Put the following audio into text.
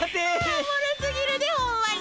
おもろすぎるでホンマに。